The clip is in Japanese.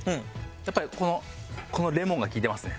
やっぱりこのこのレモンが効いてますね。